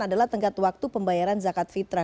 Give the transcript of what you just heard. adalah tenggat waktu pembayaran zakat fitrah